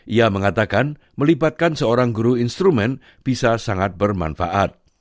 ia mengatakan melibatkan seorang guru instrumen bisa sangat bermanfaat